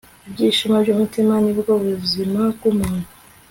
ibyishimo by'umutima, ni bwo buzima bw'umuntu